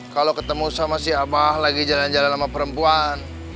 kalau ketemu sama si abah lagi jalan jalan sama perempuan